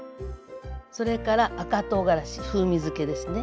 それから赤とうがらし風味づけですね。